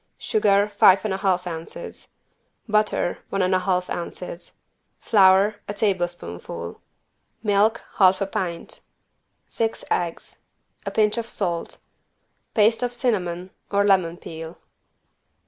Sugar, five and a half ounces. Butter, one and a half ounces. Flour, a tablespoonful. Milk, half a pint. Six eggs. A pinch of salt. Paste of cinnamon or lemon peel.